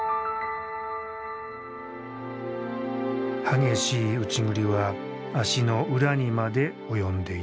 激しい内刳りは足の裏にまで及んでいた。